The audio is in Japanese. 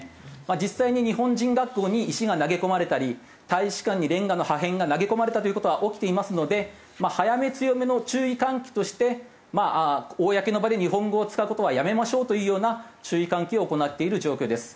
実際に日本人学校に石が投げ込まれたり大使館にレンガの破片が投げ込まれたという事は起きていますので早め強めの注意喚起として公の場で日本語を使う事はやめましょうというような注意喚起を行っている状況です。